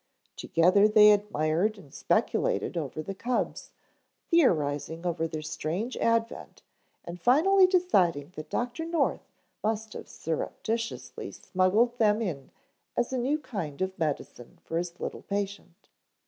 Together they admired and speculated over the cubs, theorizing over their strange advent and finally deciding that Dr. North must have surreptitiously smuggled them in as a new kind of medicine for his little patient.